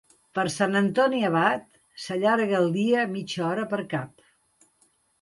Per Sant Antoni Abat, s'allarga el dia mitja hora per cap.